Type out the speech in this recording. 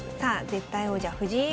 絶対王者藤井叡